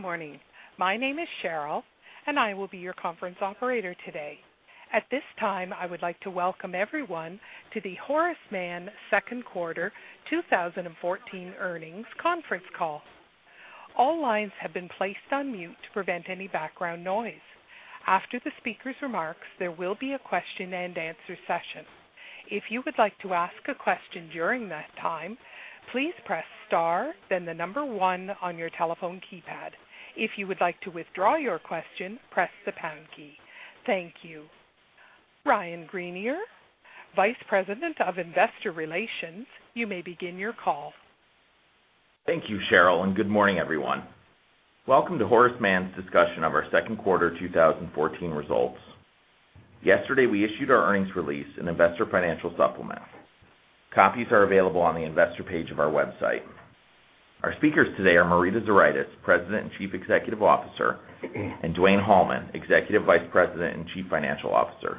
Good morning. My name is Cheryl, I will be your conference operator today. At this time, I would like to welcome everyone to the Horace Mann second quarter 2014 earnings conference call. All lines have been placed on mute to prevent any background noise. After the speaker's remarks, there will be a question and answer session. If you would like to ask a question during that time, please press star, then the number one on your telephone keypad. If you would like to withdraw your question, press the pound key. Thank you. Ryan Greenier, Vice President of Investor Relations, you may begin your call. Thank you, Cheryl, good morning, everyone. Welcome to Horace Mann's discussion of our second quarter 2014 results. Yesterday, we issued our earnings release and investor financial supplement. Copies are available on the investor page of our website. Our speakers today are Marita Zuraitis, President and Chief Executive Officer, Dwayne Hallman, Executive Vice President and Chief Financial Officer.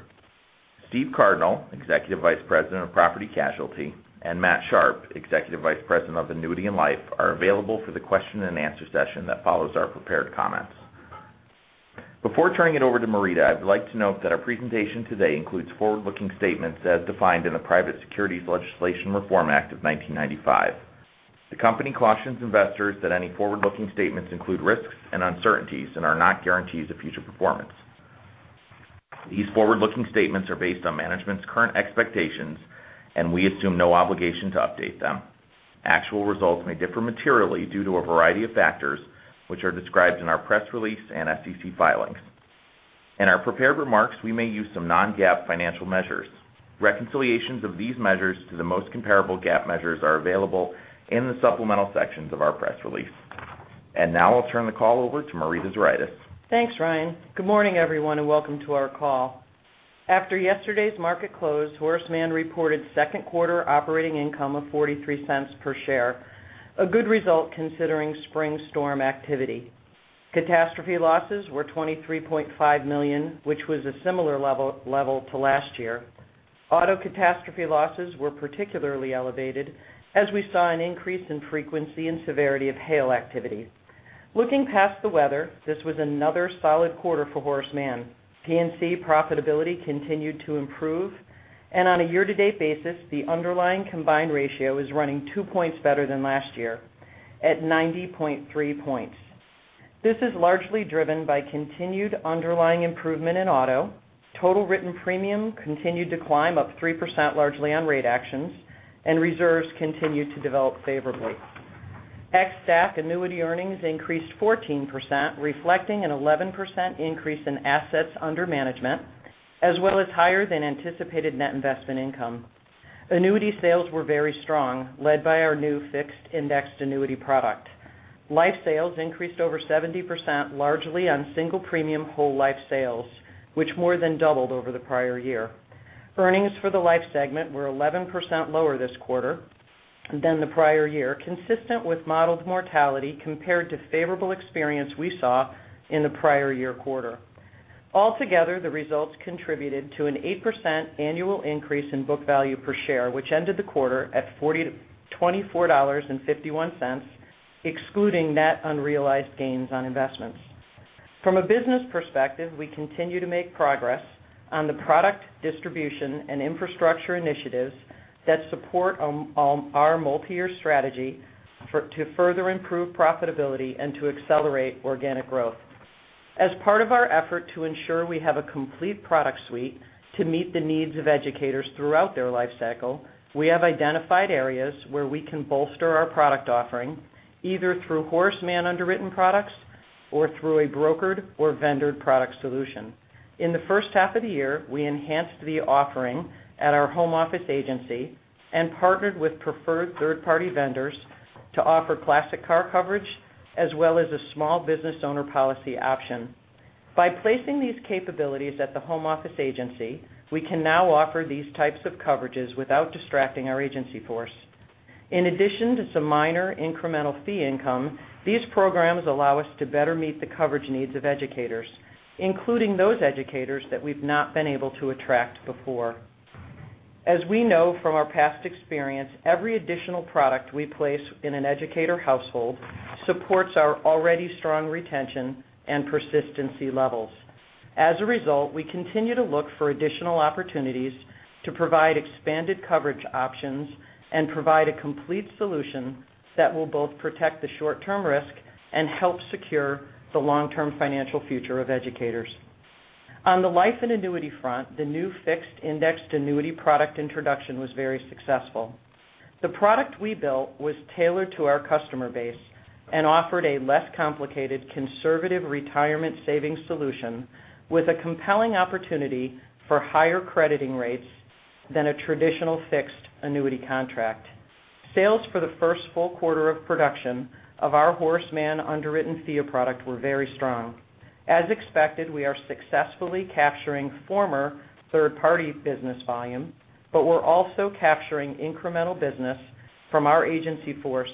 Steve Cardinal, Executive Vice President of Property Casualty, Matthew Sharpe, Executive Vice President of Annuity and Life, are available for the question and answer session that follows our prepared comments. Before turning it over to Marita, I'd like to note that our presentation today includes forward-looking statements as defined in the Private Securities Litigation Reform Act of 1995. These forward-looking statements are based on management's current expectations, we assume no obligation to update them. Actual results may differ materially due to a variety of factors, which are described in our press release and SEC filings. In our prepared remarks, we may use some non-GAAP financial measures. Reconciliations of these measures to the most comparable GAAP measures are available in the supplemental sections of our press release. Now I'll turn the call over to Marita Zuraitis. Thanks, Ryan. Good morning, everyone, welcome to our call. After yesterday's market close, Horace Mann reported second quarter operating income of $0.43 per share, a good result considering spring storm activity. Catastrophe losses were $23.5 million, which was a similar level to last year. Auto catastrophe losses were particularly elevated as we saw an increase in frequency and severity of hail activity. Looking past the weather, this was another solid quarter for Horace Mann. P&C profitability continued to improve, on a year-to-date basis, the underlying combined ratio is running two points better than last year at 90.3 points. This is largely driven by continued underlying improvement in auto. Total written premium continued to climb up 3%, reserves continued to develop favorably. xSAC annuity earnings increased 14%, reflecting an 11% increase in assets under management, as well as higher than anticipated net investment income. Annuity sales were very strong, led by our new fixed indexed annuity product. Life sales increased over 70%, largely on single premium whole life sales, which more than doubled over the prior year. Earnings for the life segment were 11% lower this quarter than the prior year, consistent with modeled mortality compared to favorable experience we saw in the prior year quarter. Altogether, the results contributed to an 8% annual increase in book value per share, which ended the quarter at $24.51, excluding net unrealized gains on investments. From a business perspective, we continue to make progress on the product distribution and infrastructure initiatives that support our multi-year strategy to further improve profitability and to accelerate organic growth. Part of our effort to ensure we have a complete product suite to meet the needs of educators throughout their life cycle, we have identified areas where we can bolster our product offering either through Horace Mann underwritten products or through a brokered or vendored product solution. In the first half of the year, we enhanced the offering at our home office agency and partnered with preferred third-party vendors to offer classic car coverage as well as a small business owner policy option. By placing these capabilities at the home office agency, we can now offer these types of coverages without distracting our agency force. In addition to some minor incremental fee income, these programs allow us to better meet the coverage needs of educators, including those educators that we've not been able to attract before. We know from our past experience, every additional product we place in an educator household supports our already strong retention and persistency levels. A result, we continue to look for additional opportunities to provide expanded coverage options and provide a complete solution that will both protect the short-term risk and help secure the long-term financial future of educators. On the life and annuity front, the new fixed indexed annuity product introduction was very successful. The product we built was tailored to our customer base and offered a less complicated conservative retirement savings solution with a compelling opportunity for higher crediting rates than a traditional fixed annuity contract. Sales for the first full quarter of production of our Horace Mann underwritten FIA product were very strong. Expected, we are successfully capturing former third-party business volume. We're also capturing incremental business from our agency force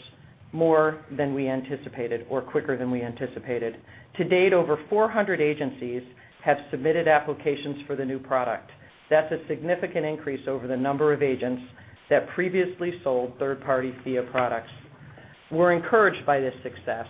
more than we anticipated or quicker than we anticipated. Date, over 400 agencies have submitted applications for the new product. That's a significant increase over the number of agents that previously sold third-party FIA products. We're encouraged by this success,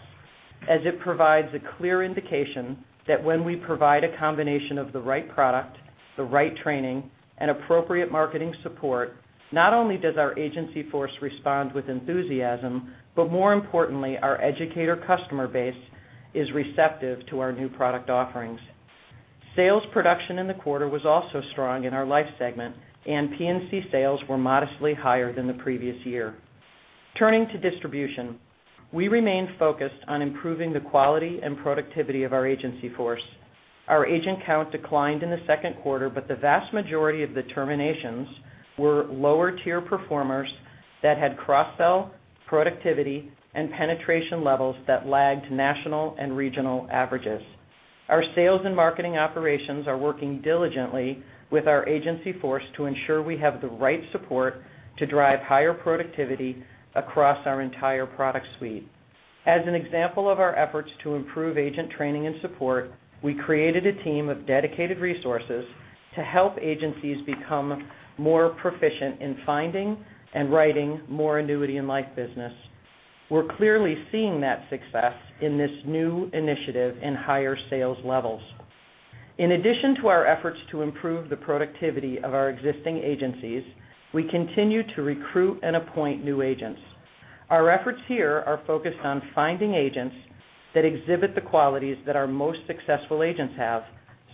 it provides a clear indication that when we provide a combination of the right product, the right training, and appropriate marketing support, not only does our agency force respond with enthusiasm, but more importantly, our educator customer base is receptive to our new product offerings. Sales production in the quarter was also strong in our life segment, and P&C sales were modestly higher than the previous year. Turning to distribution, we remain focused on improving the quality and productivity of our agency force. Our agent count declined in the second quarter, but the vast majority of the terminations were lower-tier performers that had cross-sell, productivity, and penetration levels that lagged national and regional averages. Our sales and marketing operations are working diligently with our agency force to ensure we have the right support to drive higher productivity across our entire product suite. As an example of our efforts to improve agent training and support, we created a team of dedicated resources to help agencies become more proficient in finding and writing more annuity and life business. We're clearly seeing that success in this new initiative in higher sales levels. In addition to our efforts to improve the productivity of our existing agencies, we continue to recruit and appoint new agents. Our efforts here are focused on finding agents that exhibit the qualities that our most successful agents have,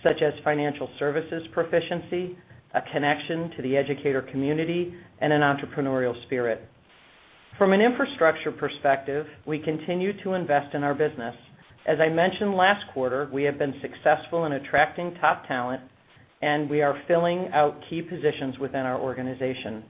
such as financial services proficiency, a connection to the educator community, and an entrepreneurial spirit. From an infrastructure perspective, we continue to invest in our business. As I mentioned last quarter, we have been successful in attracting top talent, and we are filling out key positions within our organization.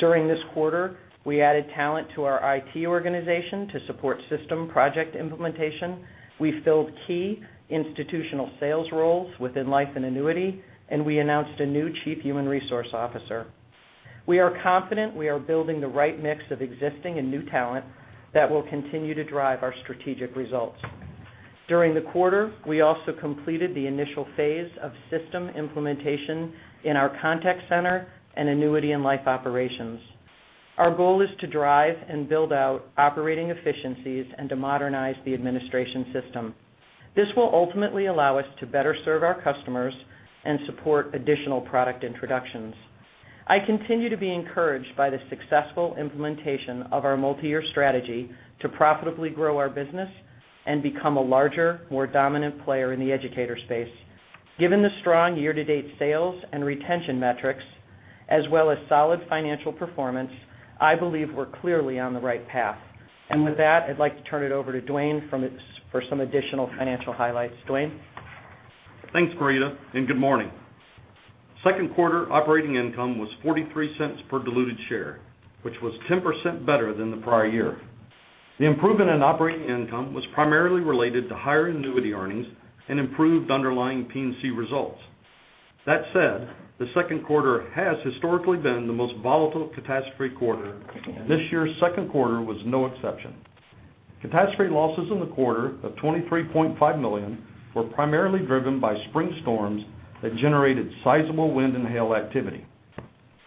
During this quarter, we added talent to our IT organization to support system project implementation. We filled key institutional sales roles within life and annuity, and we announced a new Chief Human Resource Officer. We are confident we are building the right mix of existing and new talent that will continue to drive our strategic results. During the quarter, we also completed the initial phase of system implementation in our contact center and annuity and life operations. Our goal is to drive and build out operating efficiencies and to modernize the administration system. This will ultimately allow us to better serve our customers and support additional product introductions. I continue to be encouraged by the successful implementation of our multi-year strategy to profitably grow our business and become a larger, more dominant player in the educator space. Given the strong year-to-date sales and retention metrics, as well as solid financial performance, I believe we're clearly on the right path. With that, I'd like to turn it over to Dwayne for some additional financial highlights. Dwayne? Thanks, Marita, and good morning. Second quarter operating income was $0.43 per diluted share, which was 10% better than the prior year. The improvement in operating income was primarily related to higher annuity earnings and improved underlying P&C results. That said, the second quarter has historically been the most volatile catastrophe quarter, and this year's second quarter was no exception. Catastrophe losses in the quarter of $23.5 million were primarily driven by spring storms that generated sizable wind and hail activity.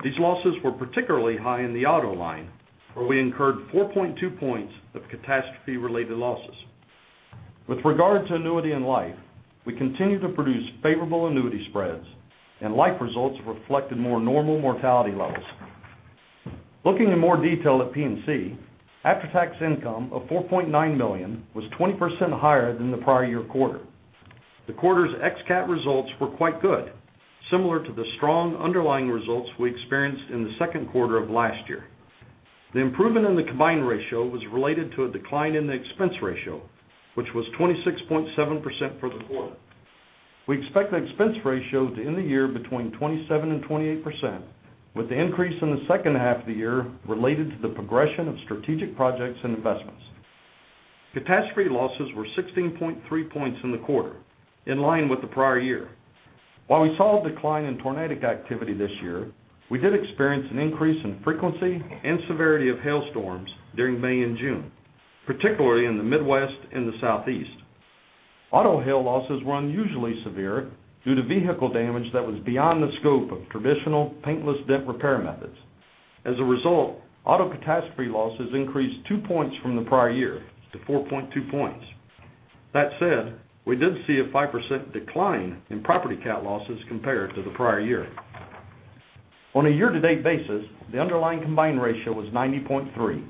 These losses were particularly high in the auto line, where we incurred 4.2 points of catastrophe-related losses. With regard to annuity and life, we continue to produce favorable annuity spreads, and life results reflected more normal mortality levels. Looking in more detail at P&C, after-tax income of $4.9 million was 20% higher than the prior year quarter. The quarter's ex-cat results were quite good, similar to the strong underlying results we experienced in the second quarter of last year. The improvement in the combined ratio was related to a decline in the expense ratio, which was 26.7% for the quarter. We expect the expense ratio to end the year between 27% and 28%, with the increase in the second half of the year related to the progression of strategic projects and investments. Catastrophe losses were 16.3 points in the quarter, in line with the prior year. While we saw a decline in tornadic activity this year, we did experience an increase in frequency and severity of hail storms during May and June, particularly in the Midwest and the Southeast. Auto hail losses were unusually severe due to vehicle damage that was beyond the scope of traditional paintless dent repair methods. Auto catastrophe losses increased two points from the prior year to 4.2 points. That said, we did see a 5% decline in property cat losses compared to the prior year. On a year-to-date basis, the underlying combined ratio was 90.3,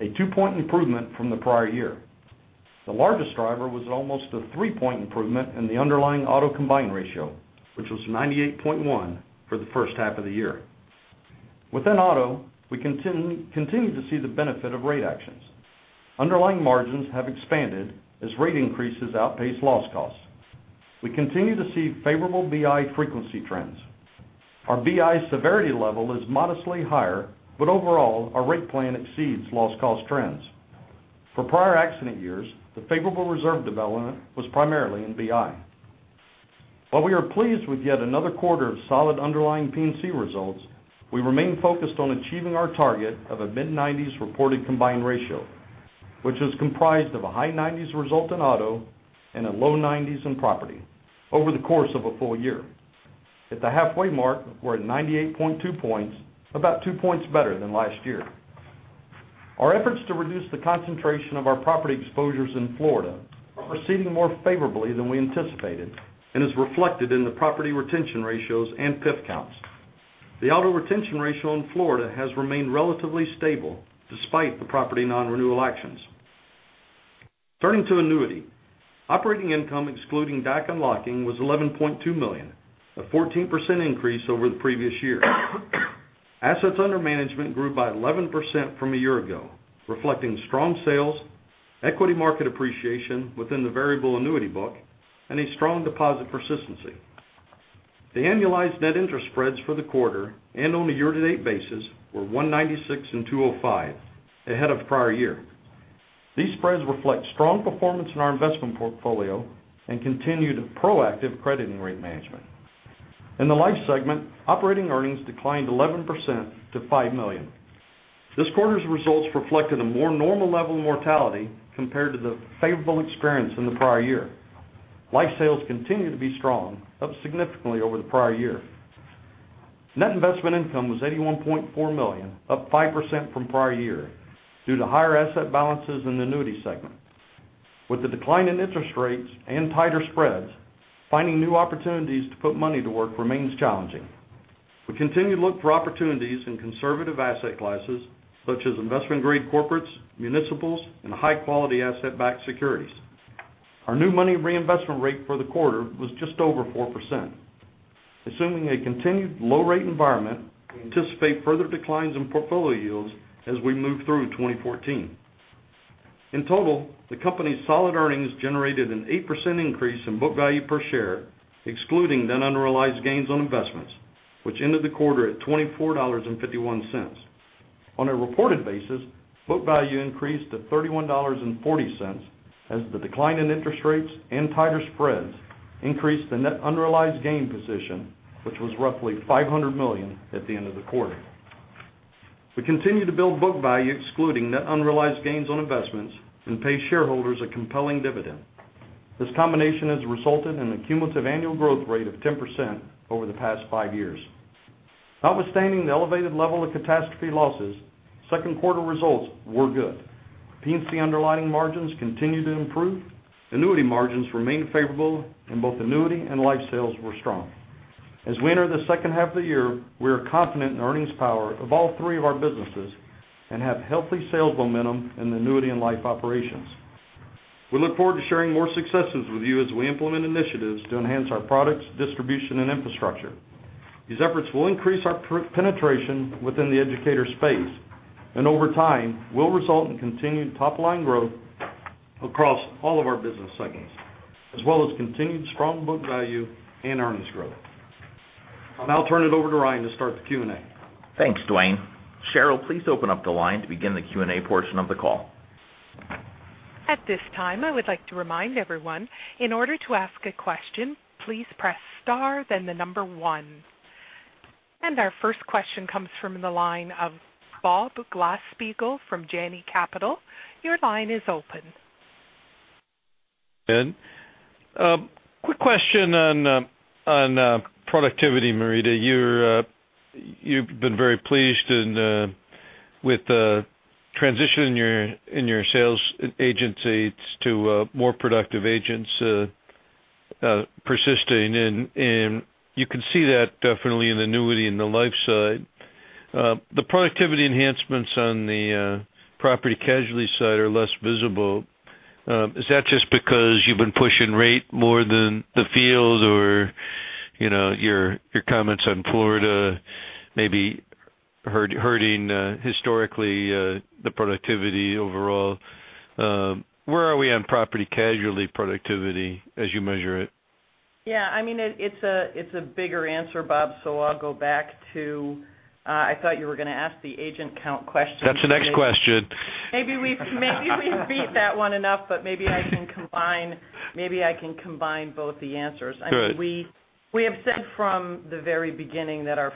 a two-point improvement from the prior year. The largest driver was almost a three-point improvement in the underlying auto combined ratio, which was 98.1 for the first half of the year. Within auto, we continue to see the benefit of rate actions. Underlying margins have expanded as rate increases outpace loss costs. We continue to see favorable BI frequency trends. Our BI severity level is modestly higher, but overall, our rate plan exceeds loss cost trends. For prior accident years, the favorable reserve development was primarily in BI. While we are pleased with yet another quarter of solid underlying P&C results, we remain focused on achieving our target of a mid-90s reported combined ratio, which is comprised of a high 90s result in auto and a low 90s in property over the course of a full year. At the halfway mark, we're at 98.2 points, about two points better than last year. Our efforts to reduce the concentration of our property exposures in Florida are proceeding more favorably than we anticipated and is reflected in the property retention ratios and PIF counts. The auto retention ratio in Florida has remained relatively stable despite the property non-renewal actions. Turning to annuity. Operating income excluding DAC unlocking was $11.2 million, a 14% increase over the previous year. Assets under management grew by 11% from a year ago, reflecting strong sales, equity market appreciation within the variable annuity book, and a strong deposit persistency. The annualized net interest spreads for the quarter and on a year-to-date basis were 196 and 205, ahead of prior year. These spreads reflect strong performance in our investment portfolio and continued proactive crediting rate management. In the life segment, operating earnings declined 11% to $5 million. This quarter's results reflected a more normal level of mortality compared to the favorable experience in the prior year. Life sales continue to be strong, up significantly over the prior year. Net investment income was $81.4 million, up 5% from prior year, due to higher asset balances in the annuity segment. With the decline in interest rates and tighter spreads, finding new opportunities to put money to work remains challenging. We continue to look for opportunities in conservative asset classes such as investment-grade corporates, municipals, and high-quality asset-backed securities. Our new money reinvestment rate for the quarter was just over 4%. Assuming a continued low-rate environment, we anticipate further declines in portfolio yields as we move through 2014. In total, the company's solid earnings generated an 8% increase in book value per share, excluding net unrealized gains on investments, which ended the quarter at $24.51. On a reported basis, book value increased to $31.40 as the decline in interest rates and tighter spreads increased the net unrealized gain position, which was roughly $500 million at the end of the quarter. We continue to build book value excluding net unrealized gains on investments and pay shareholders a compelling dividend. This combination has resulted in a cumulative annual growth rate of 10% over the past five years. Notwithstanding the elevated level of catastrophe losses, second quarter results were good. P&C underlining margins continue to improve, annuity margins remained favorable, and both annuity and life sales were strong. As we enter the second half of the year, we are confident in earnings power of all three of our businesses and have healthy sales momentum in the annuity and life operations. We look forward to sharing more successes with you as we implement initiatives to enhance our products, distribution, and infrastructure. These efforts will increase our penetration within the educator space and over time, will result in continued top-line growth across all of our business segments, as well as continued strong book value and earnings growth. I'll now turn it over to Ryan to start the Q&A. Thanks, Dwayne. Cheryl, please open up the line to begin the Q&A portion of the call. At this time, I would like to remind everyone, in order to ask a question, please press star, then the number one. Our first question comes from the line of Bob Glasspiegel from Janney Capital. Your line is open. Good. Quick question on productivity, Marita. You've been very pleased with the transition in your sales agents to more productive agents persisting, and you can see that definitely in the annuity and the life side. The productivity enhancements on the property casualty side are less visible. Is that just because you've been pushing rate more than the field or your comments on Florida may be hurting historically the productivity overall? Where are we on property casualty productivity as you measure it? Yeah, it's a bigger answer, Bob. I'll go back to, I thought you were going to ask the agent count question. That's the next question. Maybe we've beat that one enough. Maybe I can combine both the answers. Good. We have said from the very beginning that our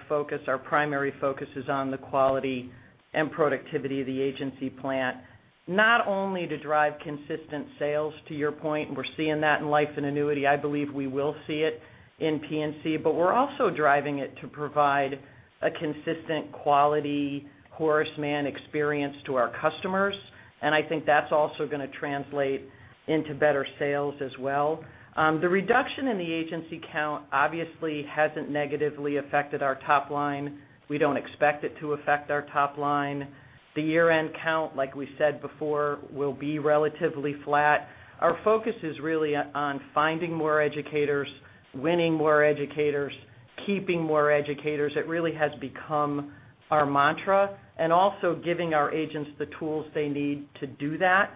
primary focus is on the quality and productivity of the agency plant. Not only to drive consistent sales, to your point, and we're seeing that in life and annuity. I believe we will see it in P&C, but we're also driving it to provide a consistent quality Horace Mann experience to our customers, and I think that's also going to translate into better sales as well. The reduction in the agency count obviously hasn't negatively affected our top line. We don't expect it to affect our top line. The year-end count, like we said before, will be relatively flat. Our focus is really on finding more educators, winning more educators, keeping more educators. It really has become our mantra, and also giving our agents the tools they need to do that.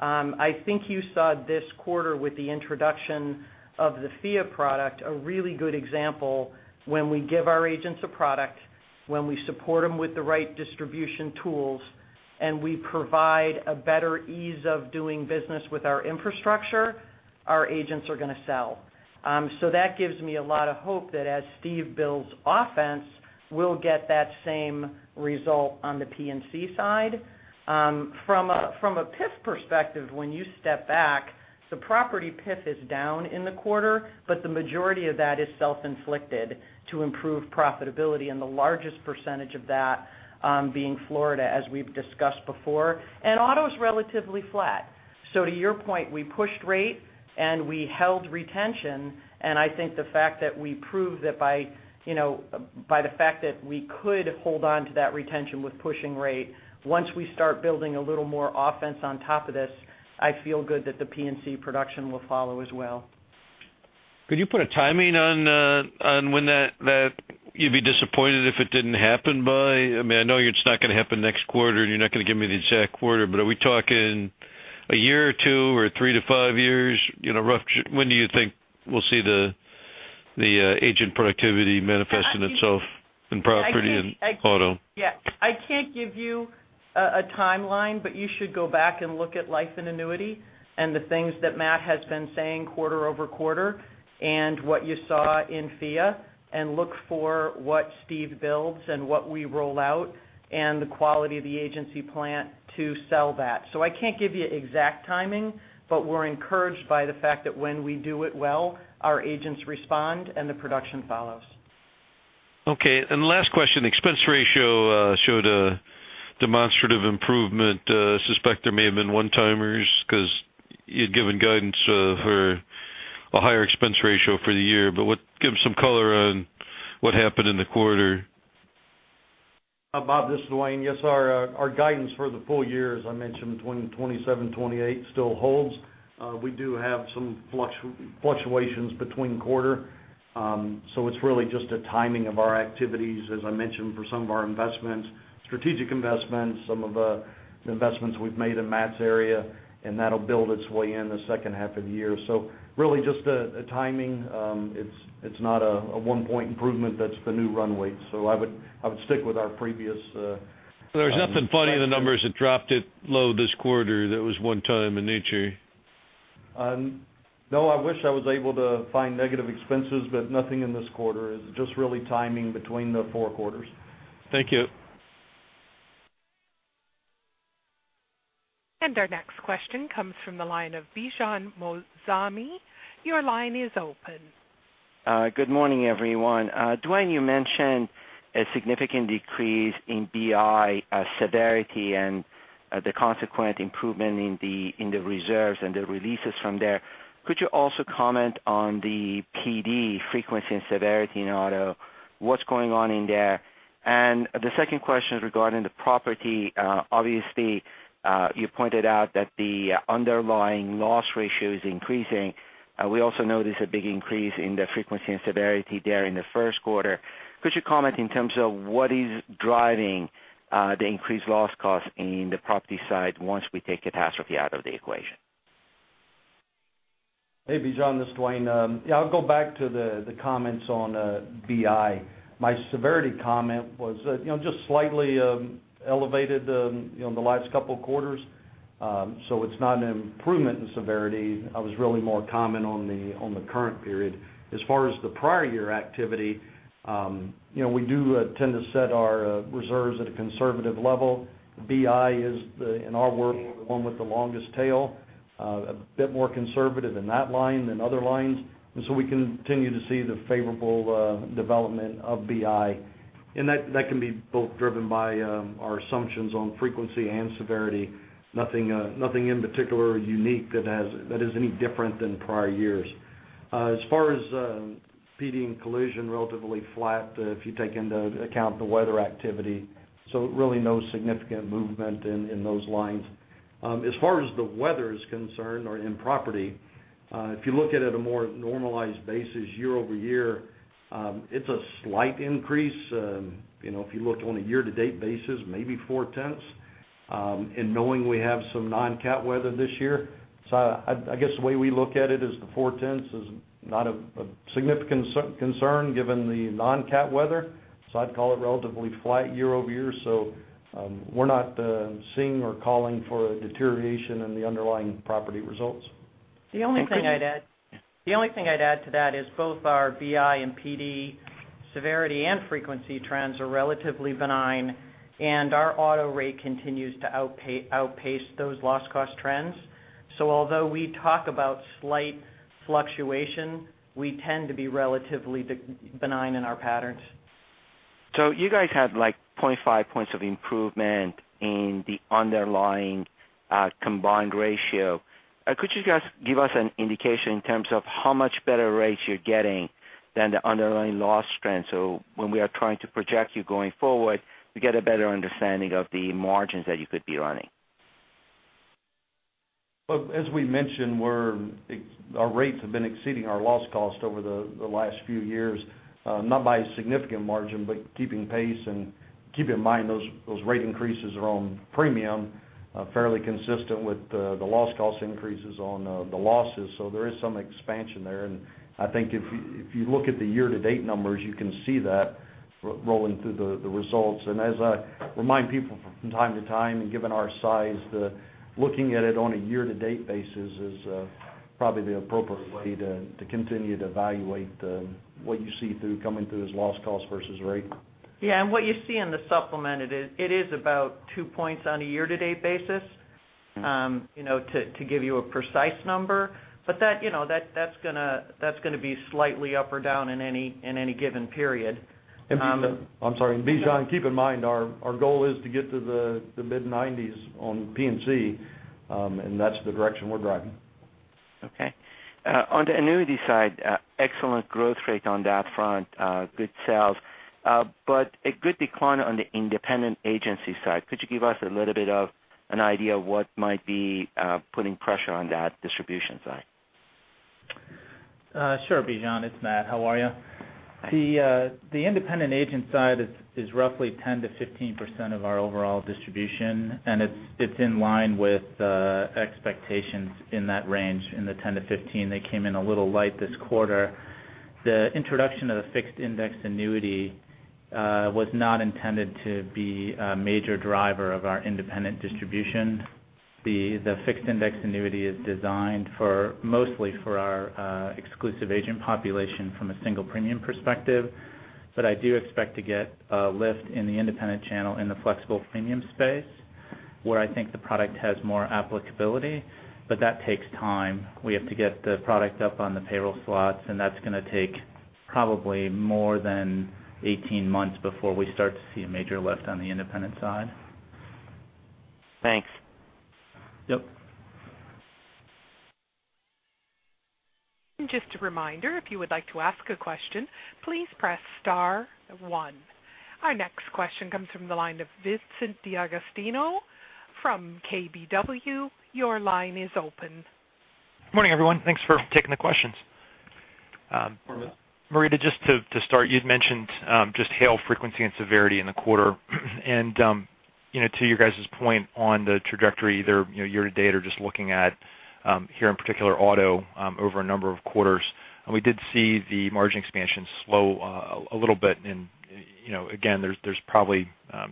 I think you saw this quarter with the introduction of the FIA product, a really good example when we give our agents a product, when we support them with the right distribution tools. We provide a better ease of doing business with our infrastructure, our agents are going to sell. That gives me a lot of hope that as Steve builds offense, we'll get that same result on the P&C side. From a PIF perspective, when you step back, the property PIF is down in the quarter, but the majority of that is self-inflicted to improve profitability and the largest percentage of that being Florida as we've discussed before. Auto's relatively flat. To your point, we pushed rate and we held retention and I think the fact that we proved that by the fact that we could hold on to that retention with pushing rate, once we start building a little more offense on top of this, I feel good that the P&C production will follow as well. Could you put a timing on when that you'd be disappointed if it didn't happen by? I know it's not going to happen next quarter and you're not going to give me the exact quarter, but are we talking one or two or 3-5 years? Roughly, when do you think we'll see the agent productivity manifest in itself in property and auto? Yeah. I can't give you a timeline, but you should go back and look at life and annuity and the things that Matt has been saying quarter-over-quarter and what you saw in FIA and look for what Steve builds and what we roll out and the quality of the agency plan to sell that. I can't give you exact timing, but we're encouraged by the fact that when we do it well, our agents respond and the production follows. Okay, last question. Expense ratio showed a demonstrative improvement. I suspect there may have been one-timers because you'd given guidance for a higher expense ratio for the year. Give some color on what happened in the quarter. Bob, this is Dwayne. Yes, our guidance for the full year, as I mentioned, 27%-28% still holds. We do have some fluctuations between quarter. It's really just a timing of our activities, as I mentioned, for some of our investments, strategic investments, some of the investments we've made in Matt's area, and that'll build its way in the second half of the year. Really just a timing. It's not a one-point improvement that's the new runway. I would stick with our previous- There's nothing funny in the numbers that dropped it low this quarter that was one time in nature? No, I wish I was able to find negative expenses, but nothing in this quarter. It's just really timing between the four quarters. Thank you. Our next question comes from the line of Bijan Moazami. Your line is open. Good morning, everyone. Dwayne, you mentioned a significant decrease in BI severity and the consequent improvement in the reserves and the releases from there. Could you also comment on the PD frequency and severity in auto? What's going on in there? The second question is regarding the property. Obviously, you pointed out that the underlying loss ratio is increasing. We also notice a big increase in the frequency and severity there in the first quarter. Could you comment in terms of what is driving the increased loss cost in the property side once we take catastrophe out of the equation? Hey, Bijan, this is Dwayne. Yeah, I'll go back to the comments on BI. My severity comment was just slightly elevated in the last 2 quarters. It's not an improvement in severity. I was really more comment on the current period. As far as the prior year activity, we do tend to set our reserves at a conservative level. BI is, in our world, the one with the longest tail. A bit more conservative in that line than other lines. We continue to see the favorable development of BI. That can be both driven by our assumptions on frequency and severity. Nothing in particular unique that is any different than prior years. As far as PD and collision, relatively flat if you take into account the weather activity. Really no significant movement in those lines. As far as the weather is concerned or in property, if you look at it a more normalized basis year-over-year, it's a slight increase. If you look on a year-to-date basis, maybe 4/10. Knowing we have some non-cat weather this year. I guess the way we look at it is the 4/10 is not a significant concern given the non-cat weather. I'd call it relatively flat year-over-year. We're not seeing or calling for a deterioration in the underlying property results. The only thing I'd add to that is both our BI and PD severity and frequency trends are relatively benign, and our auto rate continues to outpace those loss cost trends. Although we talk about slight fluctuation, we tend to be relatively benign in our patterns. You guys had like 0.5 points of improvement in the underlying combined ratio. Could you guys give us an indication in terms of how much better rates you're getting than the underlying loss trends? When we are trying to project you going forward, we get a better understanding of the margins that you could be running. Look, as we mentioned, our rates have been exceeding our loss cost over the last few years, not by a significant margin, but keeping pace and keep in mind those rate increases are on premium fairly consistent with the loss cost increases on the losses. There is some expansion there, and I think if you look at the year-to-date numbers, you can see that rolling through the results. As I remind people from time to time, and given our size, looking at it on a year-to-date basis is probably the appropriate way to continue to evaluate what you see coming through as loss cost versus rate. Yeah. What you see in the supplement, it is about two points on a year-to-date basis, to give you a precise number. That's going to be slightly up or down in any given period. I'm sorry. Bijan, keep in mind, our goal is to get to the mid-90s on P&C, that's the direction we're driving. Okay. On the annuity side, excellent growth rate on that front, good sales. A good decline on the independent agency side. Could you give us a little bit of an idea what might be putting pressure on that distribution side? Sure, Bijan, it's Matt. How are you? The independent agent side is roughly 10%-15% of our overall distribution, and it's in line with expectations in that range. In the 10%-15%, they came in a little light this quarter. The introduction of the Fixed Indexed Annuity was not intended to be a major driver of our independent distribution. The Fixed Indexed Annuity is designed mostly for our exclusive agent population from a single premium perspective. I do expect to get a lift in the independent channel in the flexible premium space, where I think the product has more applicability, but that takes time. We have to get the product up on the payroll slots, and that's going to take probably more than 18 months before we start to see a major lift on the independent side. Thanks. Yep. Just a reminder, if you would like to ask a question, please press star one. Our next question comes from the line of Vincent D'Agostino from KBW. Your line is open. Morning, everyone. Thanks for taking the questions. Morning. Marita, just to start, you'd mentioned just hail frequency and severity in the quarter. To your guys' point on the trajectory there, year-to-date or just looking at here in particular auto over a number of quarters, we did see the margin expansion slow a little bit. Again, there's probably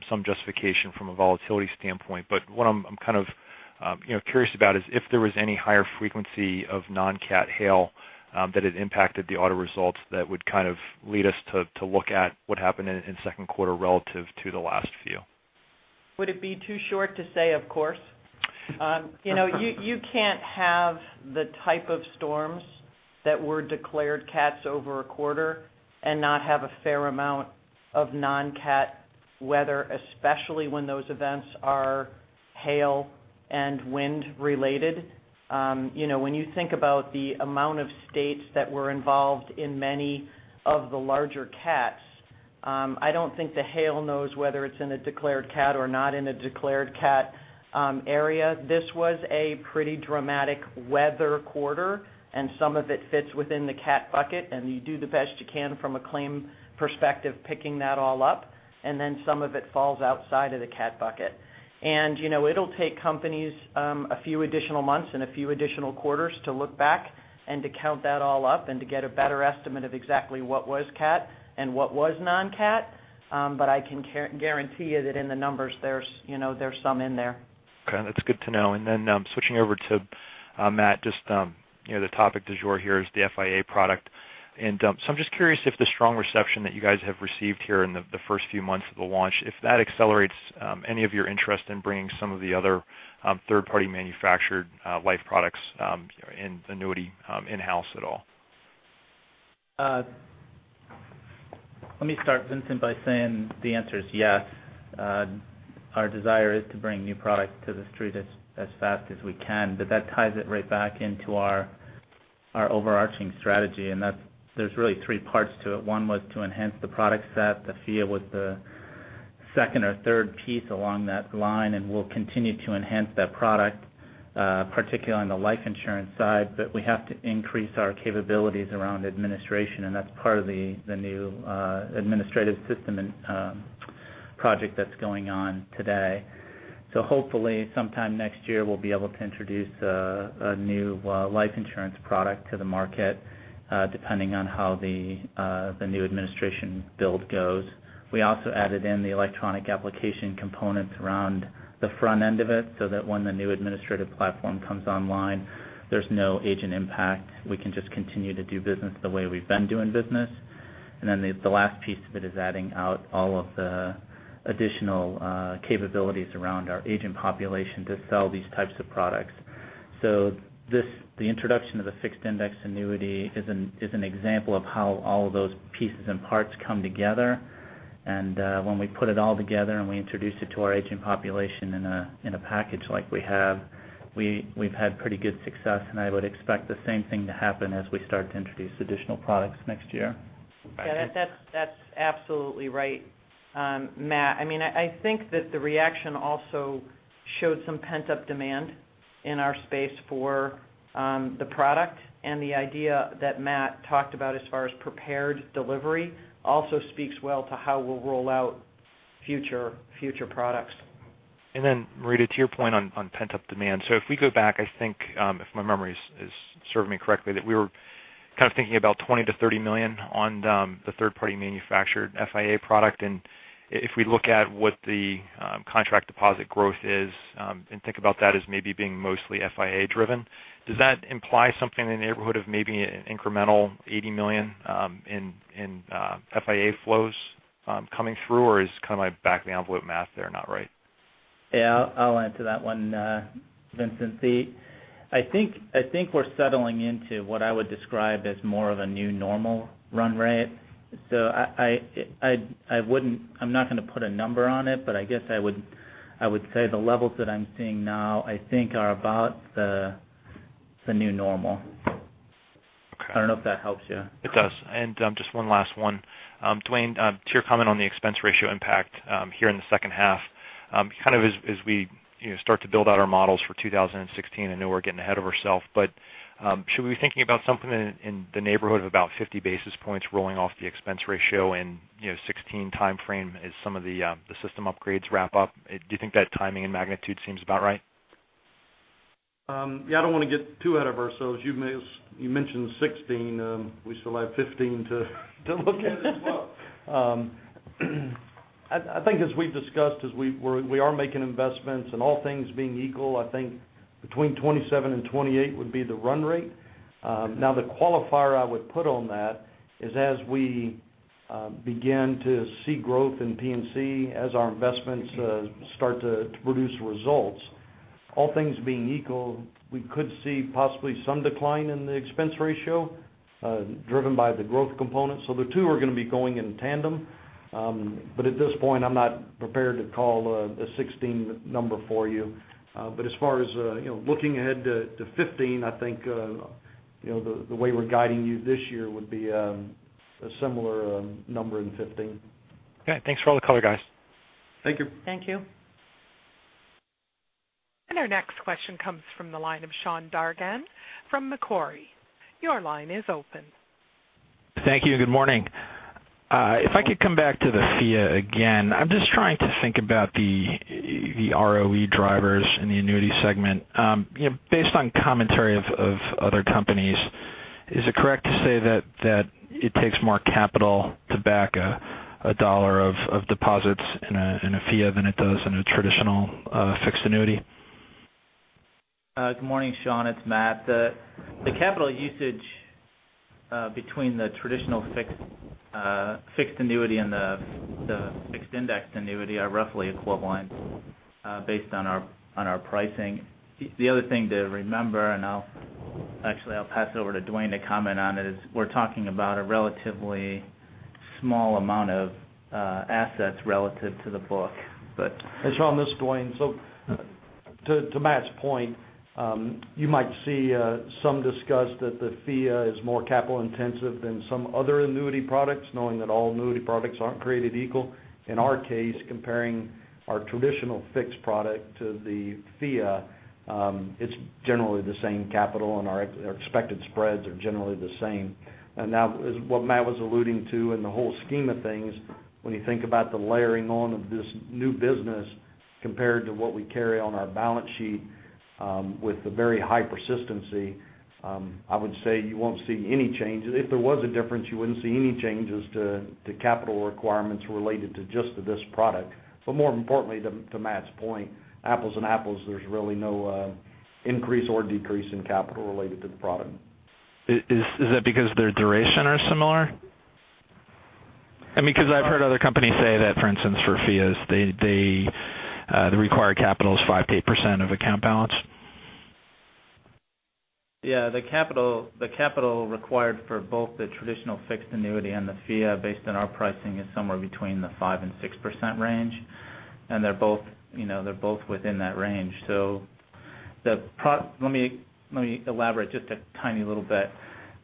some justification from a volatility standpoint, what I'm curious about is if there was any higher frequency of non-CAT hail that had impacted the auto results that would kind of lead us to look at what happened in second quarter relative to the last few. Would it be too short to say, of course? You can't have the type of storms that were declared CATs over a quarter and not have a fair amount of non-CAT weather, especially when those events are hail and wind related. When you think about the amount of states that were involved in many of the larger CATs, I don't think the hail knows whether it's in a declared CAT or not in a declared CAT area. This was a pretty dramatic weather quarter. Some of it fits within the CAT bucket, you do the best you can from a claim perspective, picking that all up. Then some of it falls outside of the CAT bucket. It'll take companies a few additional months and a few additional quarters to look back and to count that all up and to get a better estimate of exactly what was CAT and what was non-CAT. I can guarantee you that in the numbers, there's some in there. Okay. That's good to know. Then switching over to Matt, just the topic du jour here is the FIA product. I'm just curious if the strong reception that you guys have received here in the first few months of the launch, if that accelerates any of your interest in bringing some of the other third-party manufactured life products in annuity in-house at all. Let me start, Vincent, by saying the answer is yes. Our desire is to bring new product to the street as fast as we can. That ties it right back into our overarching strategy, there's really three parts to it. One was to enhance the product set. The FIA was the second or third piece along that line. We'll continue to enhance that product, particularly on the life insurance side. We have to increase our capabilities around administration, that's part of the new administrative system project that's going on today. Hopefully sometime next year, we'll be able to introduce a new life insurance product to the market, depending on how the new administration build goes. We also added in the electronic application components around the front end of it, that when the new administrative platform comes online, there's no agent impact. We can just continue to do business the way we've been doing business. The last piece of it is adding out all of the additional capabilities around our agent population to sell these types of products. The introduction of the Fixed Indexed Annuity is an example of how all of those pieces and parts come together. When we put it all together and we introduce it to our agent population in a package like we have, we've had pretty good success, and I would expect the same thing to happen as we start to introduce additional products next year. That's absolutely right, Matt. I think that the reaction also showed some pent-up demand in our space for the product and the idea that Matt talked about as far as prepared delivery also speaks well to how we'll roll out future products. Marita, to your point on pent-up demand. If we go back, I think, if my memory is serving me correctly, that we were kind of thinking about $20 million-$30 million on the third-party manufactured FIA product. If we look at what the contract deposit growth is, and think about that as maybe being mostly FIA driven, does that imply something in the neighborhood of maybe an incremental $80 million in FIA flows coming through? Or is kind of my back of the envelope math there not right? I'll answer that one, Vincent. I think we're settling into what I would describe as more of a new normal run rate. I'm not going to put a number on it, but I guess I would say the levels that I'm seeing now, I think are about the new normal. Okay. I don't know if that helps you. It does. Just one last one. Dwayne, to your comment on the expense ratio impact, here in the second half, kind of as we start to build out our models for 2016, I know we're getting ahead of ourselves, but should we be thinking about something in the neighborhood of about 50 basis points rolling off the expense ratio in 2016 timeframe as some of the system upgrades wrap up? Do you think that timing and magnitude seems about right? Yeah, I don't want to get too ahead of ourselves. You mentioned 2016. We still have 2015 to look at as well. I think as we've discussed, we are making investments, all things being equal, I think between 27 and 28 would be the run rate. Now the qualifier I would put on that is as we begin to see growth in P&C, as our investments start to produce results, all things being equal, we could see possibly some decline in the expense ratio, driven by the growth component. The two are going to be going in tandem. At this point, I'm not prepared to call a 2016 number for you. As far as looking ahead to 2015, I think the way we're guiding you this year would be a similar number in 2015. Okay. Thanks for all the color, guys. Thank you. Thank you. Our next question comes from the line of Sean Dargan from Macquarie. Your line is open. Thank you, and good morning. If I could come back to the FIA again. I'm just trying to think about the ROE drivers in the annuity segment. Based on commentary of other companies, is it correct to say that it takes more capital to back a dollar of deposits in a FIA than it does in a traditional fixed annuity? Good morning, Sean. It's Matt. The capital usage between the traditional fixed annuity and the Fixed Indexed Annuity are roughly equivalent based on our pricing. The other thing to remember, and actually I'll pass over to Dwayne to comment on it, is we're talking about a relatively small amount of assets relative to the book. Sean, this is Dwayne. To Matt's point, you might see some discuss that the FIA is more capital intensive than some other annuity products, knowing that all annuity products aren't created equal. In our case, comparing our traditional fixed product to the FIA, it's generally the same capital, and our expected spreads are generally the same. Now, as what Matt was alluding to in the whole scheme of things, when you think about the layering on of this new business compared to what we carry on our balance sheet, with the very high persistency, I would say you won't see any change. If there was a difference, you wouldn't see any changes to capital requirements related to just this product. More importantly, to Matt's point, apples and apples, there's really no increase or decrease in capital related to the product. Is that because their duration are similar? I mean, because I've heard other companies say that, for instance, for FIAs, the required capital is 5%-8% of account balance. Yeah. The capital required for both the traditional fixed annuity and the FIA based on our pricing is somewhere between the 5%-6% range. They're both within that range. Let me elaborate just a tiny little bit.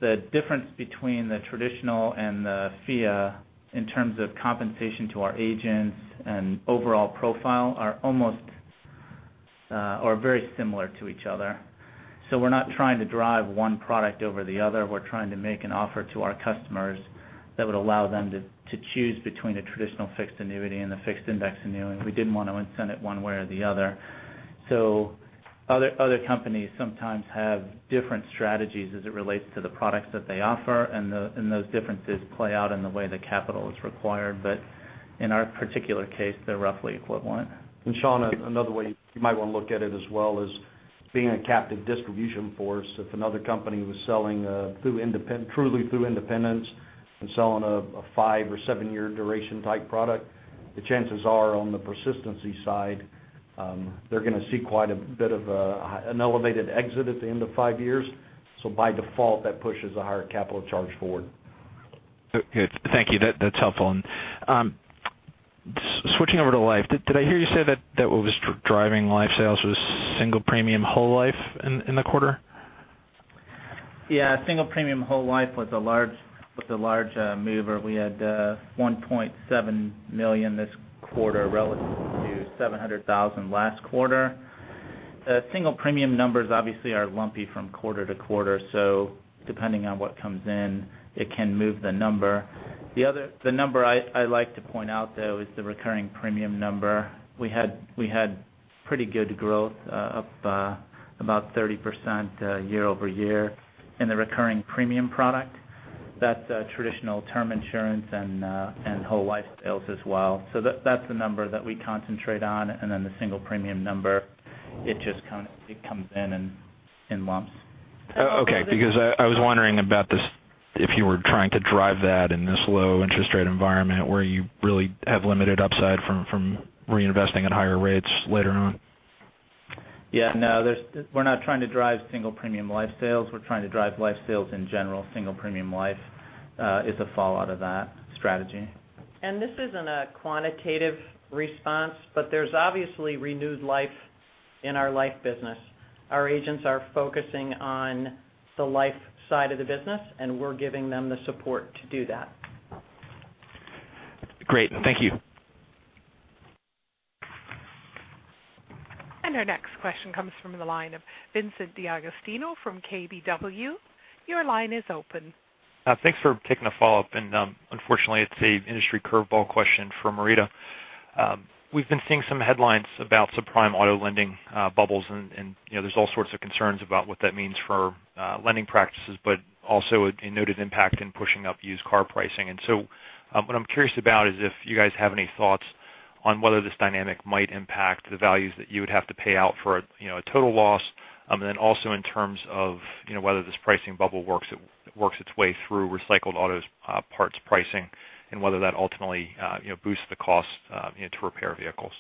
The difference between the traditional and the FIA in terms of compensation to our agents and overall profile are very similar to each other. We're not trying to drive one product over the other. We're trying to make an offer to our customers that would allow them to choose between a traditional fixed annuity and a Fixed Index Annuity. We didn't want to incentive one way or the other. Other companies sometimes have different strategies as it relates to the products that they offer, and those differences play out in the way the capital is required. In our particular case, they're roughly equivalent. Sean, another way you might want to look at it as well is being a captive distribution force. If another company was selling truly through independents and selling a 5 or 7-year duration type product, the chances are on the persistency side, they're going to see quite a bit of an elevated exit at the end of five years. By default, that pushes a higher capital charge forward. Good. Thank you. That's helpful. Switching over to life. Did I hear you say that what was driving life sales was single premium whole life in the quarter? Yeah. Single premium whole life was a large mover. We had $1.7 million this quarter relative to $700,000 last quarter. Single premium numbers obviously are lumpy from quarter to quarter, depending on what comes in, it can move the number. The number I like to point out, though, is the recurring premium number. We had pretty good growth, up about 30% year-over-year in the recurring premium product. That's traditional term insurance and whole life sales as well. That's the number that we concentrate on. Then the single premium number, it just comes in in lumps. Okay. Because I was wondering about this, if you were trying to drive that in this low interest rate environment where you really have limited upside from reinvesting at higher rates later on. Yeah, no. We're not trying to drive single premium life sales. We're trying to drive life sales in general. Single premium life is a fallout of that strategy. This isn't a quantitative response, but there's obviously renewed life in our life business. Our agents are focusing on the life side of the business, and we're giving them the support to do that. Great. Thank you. Our next question comes from the line of Vincent D'Agostino from KBW. Your line is open. Thanks for taking a follow-up, and unfortunately, it's an industry curveball question for Marita. We've been seeing some headlines about subprime auto lending bubbles, and there's all sorts of concerns about what that means for lending practices, but also a noted impact in pushing up used car pricing. What I'm curious about is if you guys have any thoughts on whether this dynamic might impact the values that you would have to pay out for a total loss, and then also in terms of whether this pricing bubble works its way through recycled auto parts pricing and whether that ultimately boosts the cost to repair vehicles.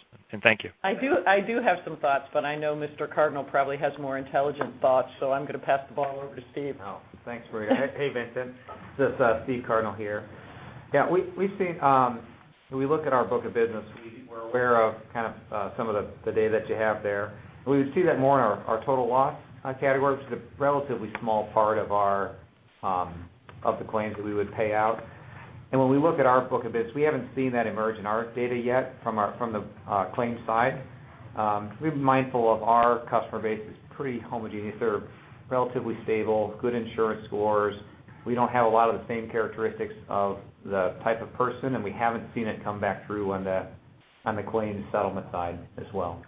Thank you. I do have some thoughts, but I know Mr. Cardinal probably has more intelligent thoughts, so I'm going to pass the ball over to Steve. Oh, thanks, Marita. Hey, Vincent. This is Steve Cardinal here. We look at our book of business. We're aware of some of the data that you have there. We see that more in our total loss category, which is a relatively small part of the claims that we would pay out. When we look at our book of biz, we haven't seen that emerge in our data yet from the claims side. We've been mindful of our customer base is pretty homogeneous. They're relatively stable, good insurance scores. We don't have a lot of the same characteristics of the type of person, and we haven't seen it come back through on the claims settlement side as well.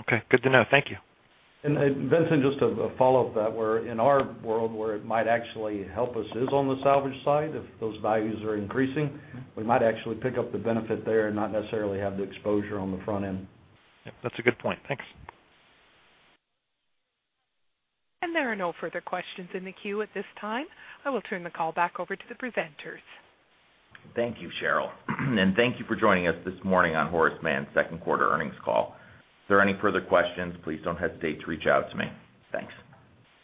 Okay, good to know. Thank you. Vincent, just a follow-up to that, where in our world where it might actually help us is on the salvage side. If those values are increasing, we might actually pick up the benefit there and not necessarily have the exposure on the front end. Yep, that's a good point. Thanks. There are no further questions in the queue at this time. I will turn the call back over to the presenters. Thank you, Cheryl. Thank you for joining us this morning on Horace Mann's second quarter earnings call. If there are any further questions, please don't hesitate to reach out to me. Thanks.